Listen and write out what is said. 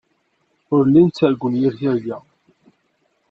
Ur llin ttargun yir tirga.